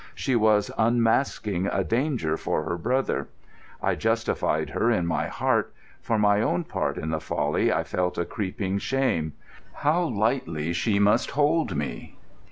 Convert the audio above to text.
She was unmasking a danger for her brother. I justified her in my heart; for my own part in the folly I felt a creeping shame. How lightly she must hold me.